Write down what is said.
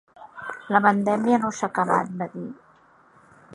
“La pandèmia no s’ha acabat”, va dir.